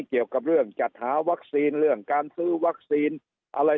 เกี่ยวกับเรื่องจัดหาวัคซีนเรื่องการซื้อวัคซีนอะไร